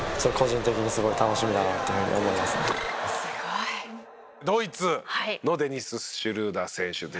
「すごい」ドイツのデニス・シュルーダー選手という事で。